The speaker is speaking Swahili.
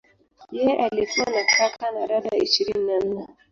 Yeye alikuwa na kaka na dada ishirini na nne.